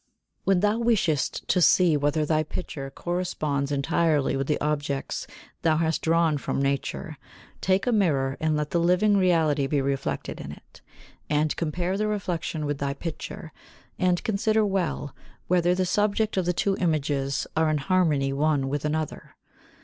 When thou wishest to see whether thy picture corresponds entirely with the objects thou hast drawn from nature, take a mirror and let the living reality be reflected in it, and compare the reflection with thy picture, and consider well whether the subject of the two images are in harmony one with another.